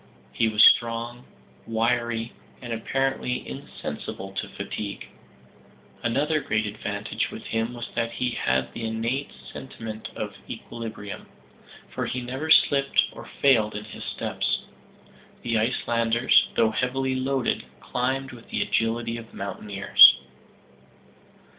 He was strong, wiry, and apparently insensible to fatigue. Another great advantage with him was that he had the innate sentiment of equilibrium for he never slipped or failed in his steps. The Icelanders, though heavily loaded, climbed with the agility of mountaineers.